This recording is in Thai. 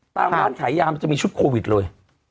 ตามร้านขายยามันจะมีชุดโควิดเลย